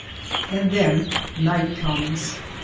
And then night comes.